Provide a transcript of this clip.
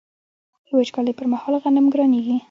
د وچکالۍ پر مهال غنم ګرانیږي.